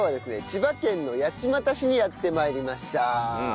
千葉県の八街市にやって参りました。